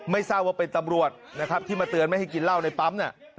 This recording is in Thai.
ทราบว่าเป็นตำรวจที่มาเตือนไม่ให้กินเหล้าในปั๊ม